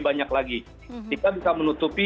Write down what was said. banyak lagi kita bisa menutupi